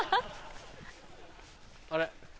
あれ？